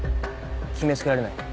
決め付けられない。